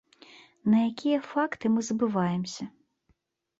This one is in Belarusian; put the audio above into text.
На якія факты мы забываемся?